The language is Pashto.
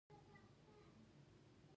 سندره د زړه ښکلا ده